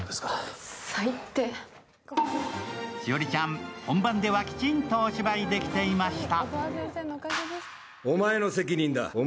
栞里ちゃん、本番ではきちんとお芝居できていました。